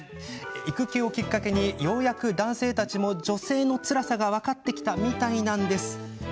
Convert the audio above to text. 育休をきっかけにようやく男性たちも女性のつらさが分かってきたみたいなんです。